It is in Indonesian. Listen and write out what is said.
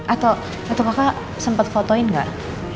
atau atau maka sempat fotoin nggak